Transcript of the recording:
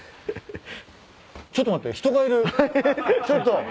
ちょっと。